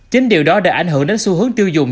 chính điều đó đã ảnh hưởng đến xu hướng tiêu dùng